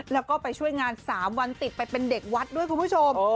แล้วก็ไปช่วยงาน๓วันติดไปเป็นเด็กวัดด้วยคุณผู้ชม